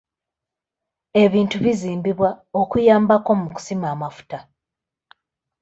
Ebintu bizimbibwa okuyambako mu kusima amafuta.